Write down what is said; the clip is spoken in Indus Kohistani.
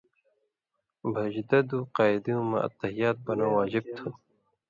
بھَژَدہ دُو قاعدٶں مہ التَّحِیَّات بنٶں واجب تھو۔